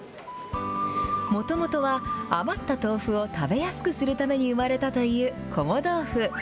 もともとは、余った豆腐を食べやすくするために生まれたというこも豆腐。